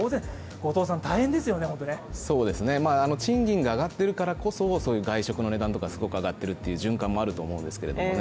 後藤さん、大変ですよね、本当にね。賃金が上がってるからこそ、外食の値段とかすごく上がってるっていう循環もあると思うんですけどね。